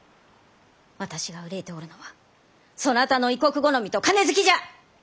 私が憂いておるのはそなたの異国好みと金好きじゃ！